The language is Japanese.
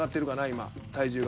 今体重が。